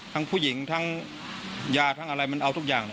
ผู้หญิงทั้งยาทั้งอะไรมันเอาทุกอย่าง